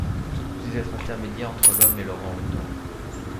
Tout au plus des êtres intermédiaires entre l’homme et l’orang-outang!